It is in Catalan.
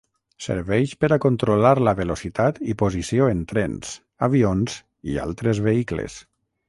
Serveix per a controlar la velocitat i posició en trens, avions i altres vehicles.